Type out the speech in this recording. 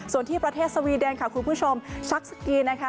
ส่วนที่ประเทศสวีเดนค่ะคุณผู้ชมซักสกีนะคะ